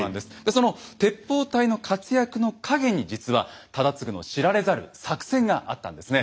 その鉄砲隊の活躍の陰に実は忠次の知られざる作戦があったんですね。